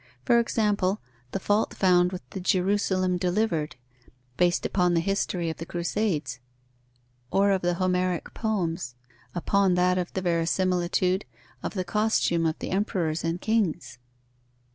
For example, the fault found with the Jerusalem Delivered, based upon the history of the Crusades, or of the Homeric poems, upon that of the verisimilitude of the costume of the emperors and kings?